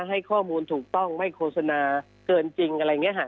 ให้ข้อมูลถูกต้องไม่โฆษณาเกินจริงอะไรอย่างนี้ค่ะ